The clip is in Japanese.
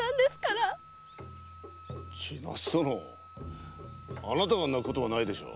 千奈津殿あなたが泣くことはないでしょう。